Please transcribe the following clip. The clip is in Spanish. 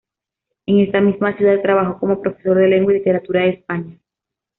En esta misma ciudad trabajó como profesor de Lengua y Literatura de España.